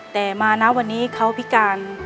แต่มานะวันนี้เขาพิการ